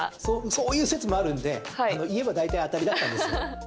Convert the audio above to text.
そういう説もあるので、言えば大体当たりだったんですよ。